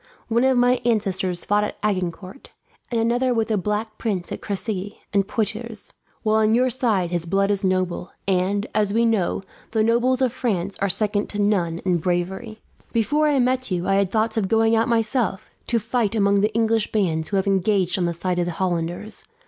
One of my ancestors fought at Agincourt, and another with the Black Prince at Cressy and Poitiers; while on your side his blood is noble and, as we know, the nobles of France are second to none in bravery. "Before I met you I had thoughts of going out, myself, to fight among the English bands who have engaged on the side of the Hollanders.